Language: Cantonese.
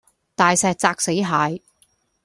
大石砸死蟹